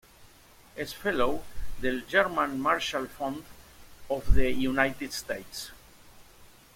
Es "Fellow" del "German Marshall Fund of the United States".